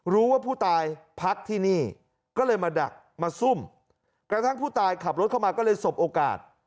รู้ว่าผู้ตายพักที่นี่ก็เลยมาดักมาซุ่มกระทั่งผู้ตายขับรถเข้ามาก็เลยสบโอกาส